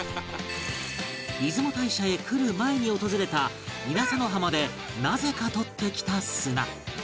出雲大社へ来る前に訪れた稲佐の浜でなぜか取ってきた砂